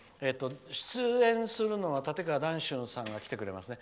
出演するのは立川談春さんが来てくれますね。